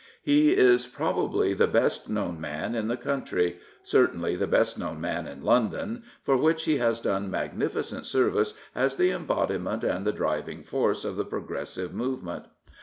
He is probably the best known man in the country — certainly the best known man in London, for which he has done magnificent service as the embodiment and the driving force of the Progressive movement.